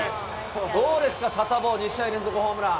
どうですか、サタボー、２試合連続ホームラン。